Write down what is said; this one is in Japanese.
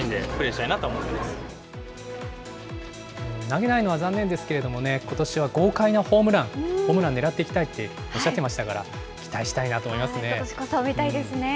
投げないのは残念ですけどね、ことしは豪快なホームラン、ホームランねらっていきたいっておっしゃってましたから、期待しことしこそ見たいですね。